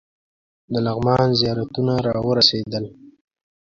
د لغمان زیارتونه راورسېدل.